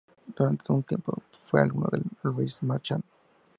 Durante un tiempo fue alumno de Louis Marchand.